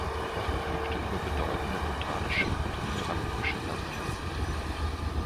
Er verfügte über bedeutende botanische und mineralogische Sammlungen.